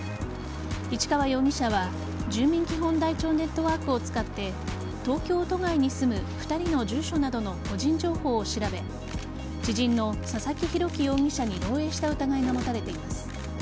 市川容疑者は住民基本台帳ネットワークを使って東京都外に住む２人の住所などの個人情報を調べ知人の佐々木洋樹容疑者に漏えいした疑いが持たれています。